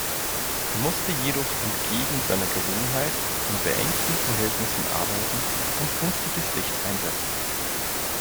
Er musste jedoch, entgegen seiner Gewohnheit, in beengten Verhältnissen arbeiten und künstliches Licht einsetzen.